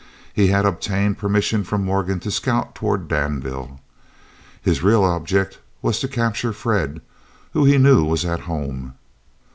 He had obtained permission from Morgan to scout toward Danville. His real object was to capture Fred, who he knew was at home.